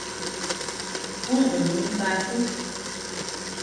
Kuʼuu baku.